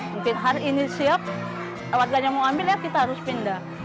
mungkin hari ini siap warganya mau ambil ya kita harus pindah